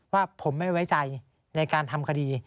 ว่าผมไม่ไว้ใจในการทำคดี